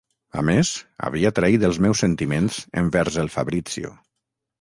A més, havia traït els meus sentiments envers el Fabrizio.